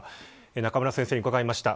中村先生に伺いました。